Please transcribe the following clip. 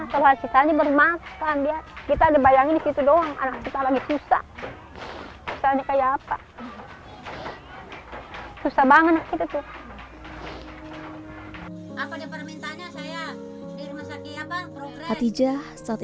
seluruh sisanya baru makan